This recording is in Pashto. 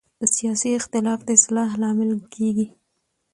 سیاسي اختلاف د اصلاح لامل کېږي